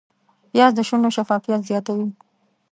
پیاز د شونډو شفافیت زیاتوي